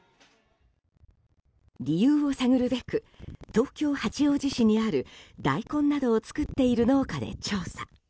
理由を探るべく東京・八王子市にあるダイコンなどを作っている農家で調査。